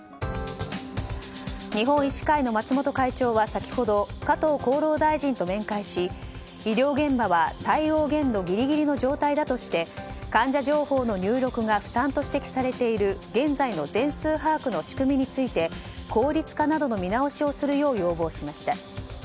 日本医師会の松本会長は先ほど、加藤厚労大臣と面会し、医療現場は対応限度ギリギリの状態だとして患者情報の入力が負担と指摘されている現在の全数把握の仕組みなどについて効率化などを要望しました。